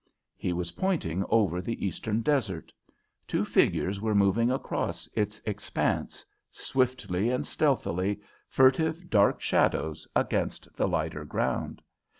He was pointing over the eastern desert. Two figures were moving across its expanse, swiftly and stealthily, furtive dark shadows against the lighter ground.